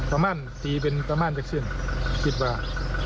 ประมาณตีเป็นประมาณจากเช่น๑๐บาท